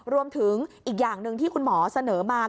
รวมถึงอีกอย่างหนึ่งที่คุณหมอเสนอมา